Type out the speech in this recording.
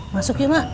masuk yuk mak